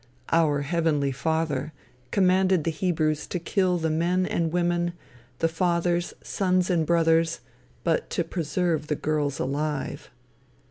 "Our heavenly Father" commanded the Hebrews to kill the men and women, the fathers, sons and brothers, but to preserve the girls alive.